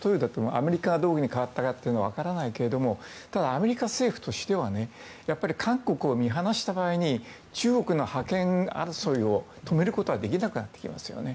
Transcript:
アメリカがどう変わったかは分からないけれどもただ、アメリカ政府としては韓国を見放した場合に中国の覇権争いを止めることができなくなってきていますよね。